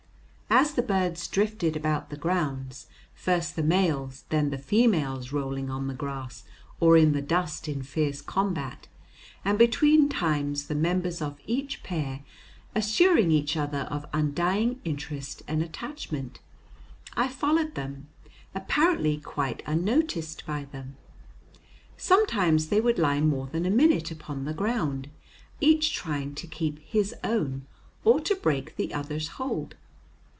As the birds drifted about the grounds, first the males, then the females rolling on the grass or in the dust in fierce combat, and between times the members of each pair assuring each other of undying interest and attachment, I followed them, apparently quite unnoticed by them. Sometimes they would lie more than a minute upon the ground, each trying to keep his own or to break the other's hold.